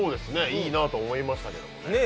いいなと思いましたけど。